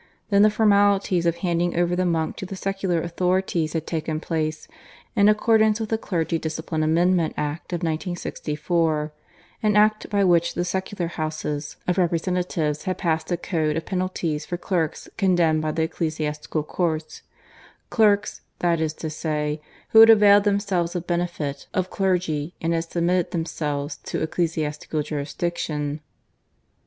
Then the formalities of handing over the monk to the secular authorities had taken place, in accordance with the Clergy Discipline Amendment Act of 1964 an Act by which the secular houses of Representatives had passed a code of penalties for clerks condemned by the ecclesiastical courts clerks, that is to say, who had availed themselves of Benefit of Clergy and had submitted themselves to ecclesiastical jurisdiction.